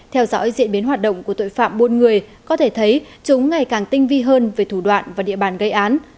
theo dõi diễn biến hoạt động của tội phạm buôn người có thể thấy chúng ngày càng tinh vi hơn về thủ đoạn và địa bàn gây án